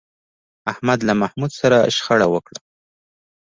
احمد له محمود سره شخړه وکړه